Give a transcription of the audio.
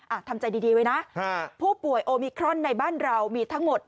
ทำใจดีไว้นะผู้ป่วยโอมิครอนในบ้านเรามีทั้งหมด